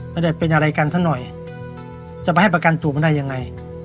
จะได้เป็นอะไรกันสักหน่อยจะไปให้ประกันตัวมันได้ยังไง